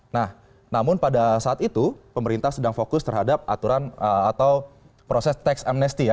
nah namun pada saat itu pemerintah sedang fokus terhadap aturan atau proses tax amnesty ya